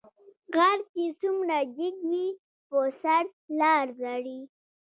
غر چې څومره جګ وي په سر لار لري